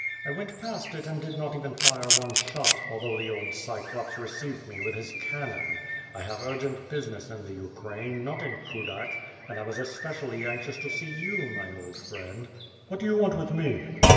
I went past it and did not even fire one shot, although the old Cyclops received me with his cannon. I have urgent business in the Ukraine, not in Kudak; and I was especially anxious to see you, my old friend." "What do you want with me?"